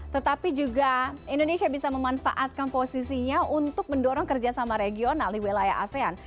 tetapi juga indonesia bisa memanfaatkan posisinya untuk mendorong kerjasama regional di wilayah asean